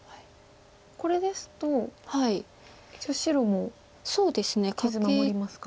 これですと一応白も傷守りますか？